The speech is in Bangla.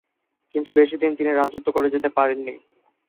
কিন্তু বেশিদিন তিনি রাজত্ব করে যেতে পারেননি।